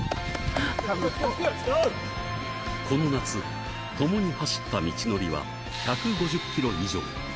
この夏、共に走った道のりは１５０キロ以上。